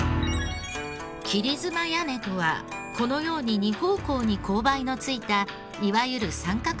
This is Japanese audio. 切妻屋根とはこのように２方向に勾配のついたいわゆる三角屋根の事。